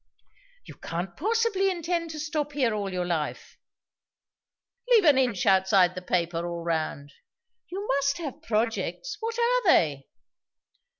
You can't possibly intend to stop here all your life? (Leave an inch outside the paper, all round.) You must have projects? What are they?"